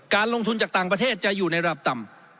การลงทุนจากต่างประเทศจะอยู่ในระดับต่ำ